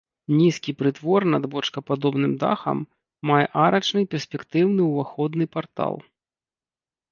Нізкі прытвор пад бочкападобным дахам мае арачны перспектыўны ўваходны партал.